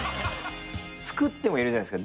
作ってもいるじゃないですか。